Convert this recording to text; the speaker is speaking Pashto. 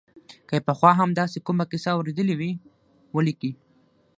که یې پخوا هم داسې کومه کیسه اورېدلې وي ولیکي.